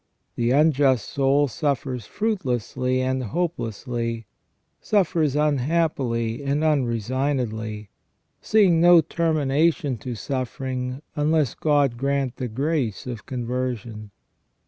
The unjust soul suffers fruitlessly and hopelessly, suffers unhappily and unresignedly, seeing no termination to suffering, unless God grant the grace of conversion.